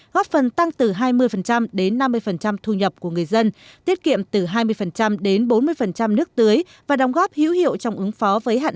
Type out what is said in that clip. góp phần tăng từ hai mươi đến năm mươi thu nhập của người dân tiết kiệm từ hai mươi đến bốn mươi nước tưới và đóng góp hữu hiệu trong ứng phó với hạn